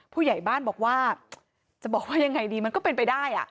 ผู้ใหญ่บ้านบอกว่าจะบอกว่ายังไงดีมันก็เป็นไปได้